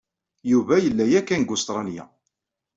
Yuba yella yakan deg Ustṛalya.